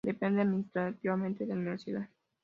Depende administrativamente de la universidad.